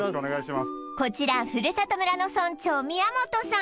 こちらふるさと村の村長宮本さん